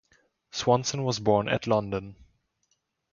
Swanson was born at London.